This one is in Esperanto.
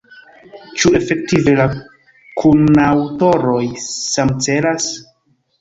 Ĉu efektive la kunaŭtoroj samcelas?